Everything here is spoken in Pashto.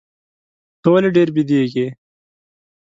ته ولي ډېر بیدېږې؟